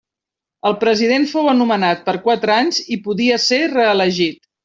El president fou nomenat per quatre anys i podia ser reelegit.